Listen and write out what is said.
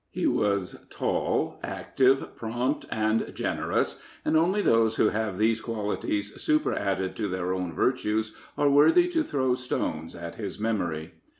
He was tall, active, prompt and generous, and only those who have these qualities superadded to their own virtues are worthy to throw stones at his memory.